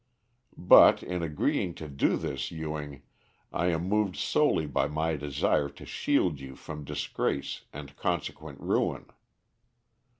"'But in agreeing to do this, Ewing, I am moved solely by my desire to shield you from disgrace and consequent ruin.